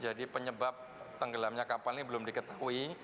jadi penyebab tenggelamnya kapal ini belum diketahui